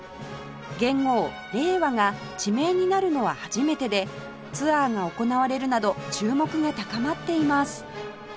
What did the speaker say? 元号令和が地名になるのは初めてでツアーが行われるなど注目が高まっています